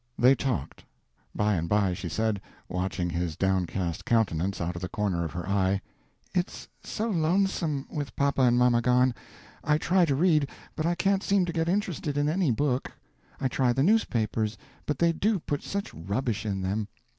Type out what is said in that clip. They talked. Bye and bye she said—watching his downcast countenance out of the corner of her eye— "It's so lonesome—with papa and mamma gone. I try to read, but I can't seem to get interested in any book. I try the newspapers, but they do put such rubbish in them.